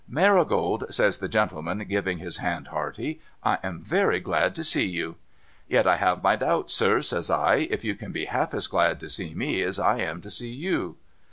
' Marigold,' says the gentleman, giving his hand hearty, ' I am very glad to see you.' ' Yet I have my doubts, sir,' says I, ' if you can be half as glad to see me as I am to see you.'